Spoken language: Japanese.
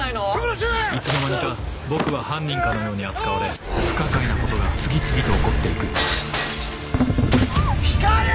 いつの間にか僕は犯人かのように扱われ不可解なことが次々と起こって行く光莉‼